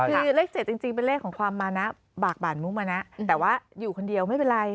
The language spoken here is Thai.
คือเลข๗จริงเป็นเลขของความมานะบากบานมุกมานะแต่ว่าอยู่คนเดียวไม่เป็นไร